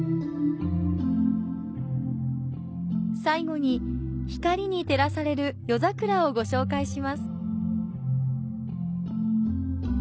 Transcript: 最後に光に照らされる夜桜をご紹介します。